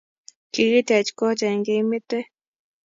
kikitech koot eng keimete